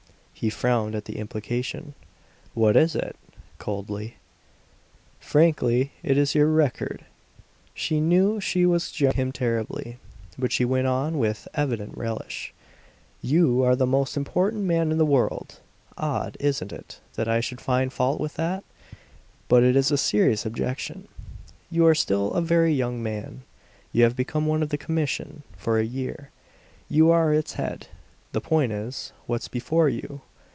He frowned at the implication. "What is it?" coldly. "Frankly, it is your record." She knew she was jarring him terribly, but she went on with evident relish, "You are the most important man in the world. Odd, isn't it, that I should find fault with that? But it is a serious objection. You are still a very young man; you have become one of the commission; for a year, you are its head. The point is, what's before you?"